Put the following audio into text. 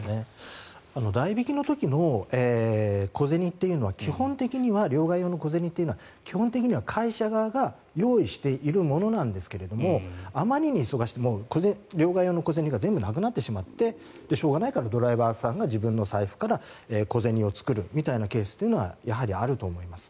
代引の時の小銭というのは基本的には両替用の小銭は基本的には会社側が用意しているものなんですがあまりに忙しくて両替用の小銭が全部なくなってしまってしょうがないからドライバーさんが自分の財布から小銭を作るみたいなケースはやはりあると思います。